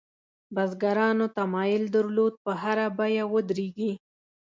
بزګرانو تمایل درلود په هره بیه ودرېږي.